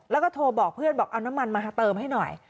แล้วก็โทรบอกเพื่อนบอกเอาน้ำมันมาเติมให้หน่อย